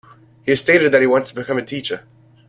He has stated that he wants to become a teacher.